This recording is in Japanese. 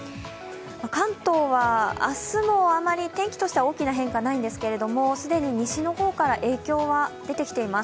関東は明日もあまり天気としては大きな変化はないんですけれども、既に西の方から影響は出てきています。